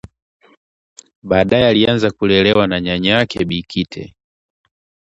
baadaye alianza kulelewa na nyanyake Bi Kite